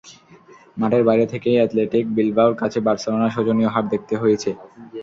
মাঠের বাইরে থেকেই অ্যাথলেটিক বিলবাওর কাছে বার্সেলোনার শোচনীয় হার দেখতে হয়েছে।